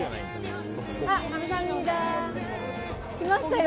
来ましたよ。